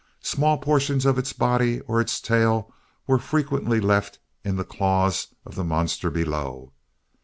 Small portions of its body or its tail were frequently left in the claws of the monster below.